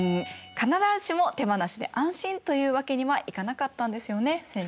必ずしも手放しで安心というわけにはいかなかったんですよね先生。